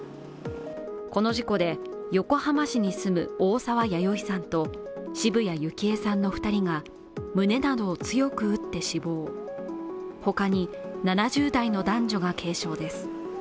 この事故で横浜市に住む大沢弥生さんと渋谷幸恵さんの２人が胸などを強く打って死亡、他に７０代の男女が軽傷です。